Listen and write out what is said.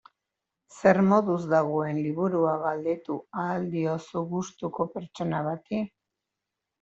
Zer moduz dagoen liburua galdetu ahal diozu gustuko pertsona bati.